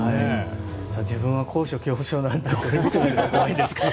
自分は高所恐怖症なので怖いですけど。